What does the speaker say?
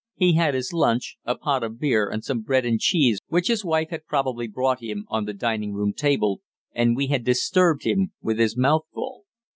He had his lunch, a pot of beer and some bread and cheese which his wife had probably brought him, on the dining room table, and we had disturbed him with his mouth full.